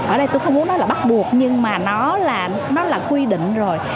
ở đây tôi không muốn nói là bắt buộc nhưng mà nó là quy định rồi